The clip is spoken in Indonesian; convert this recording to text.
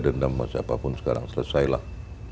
dendam sama siapapun sekarang selesailah